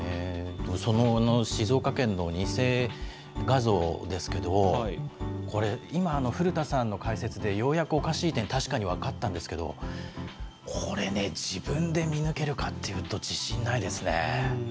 その静岡県の偽画像ですけど、これ、今、古田さんの解説でようやくおかしい点、確かに分かったんですけど、これね、自分で見抜けるかっていうと、自信ないですね。